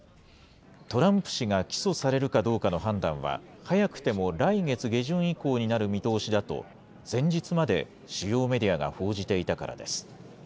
トランプ氏が起訴されるかどうかの判断は、早くても来月下旬以降になる見通しだと、前日まで主要メディアが報じていたからです。